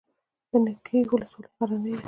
د نکې ولسوالۍ غرنۍ ده